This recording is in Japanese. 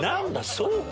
そうか。